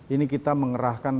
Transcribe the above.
ini kita mengerahkan